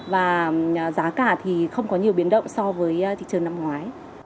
và giá cả thì không có nhiều biến động so với thị trường năm ngoái